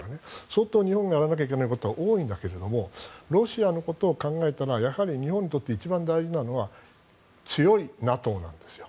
相当、日本がやらなきゃいけないことは多いんだけどロシアのことを考えたらやはり日本にとって一番大事なのは強いＮＡＴＯなんですよ。